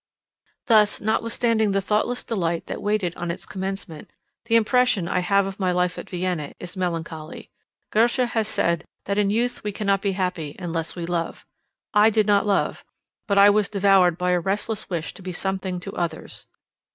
Thus, notwithstanding the thoughtless delight that waited on its commencement, the impression I have of my life at Vienna is melancholy. Goethe has said, that in youth we cannot be happy unless we love. I did not love; but I was devoured by a restless wish to be something to others.